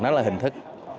nó là hình thức